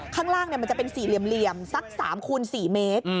ข้างล่างมันจะเป็นสี่เหลี่ยมสัก๓คูณ๔เมตร